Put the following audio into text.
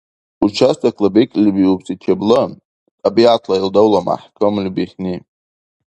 Участокла бекӀлибиубси чебла — тӀабигӀятла ил давла мяхӀкамли бихӀни.